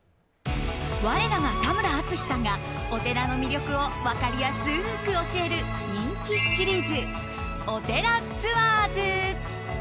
我らが田村淳さんがお寺の魅力を分かりやすく教える人気シリーズ「おてらツアーズ」。